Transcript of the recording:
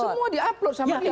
semua di upload